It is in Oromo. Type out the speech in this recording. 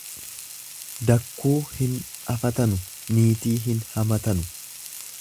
Dakkuu hin afatanu niitii hin hamatanu.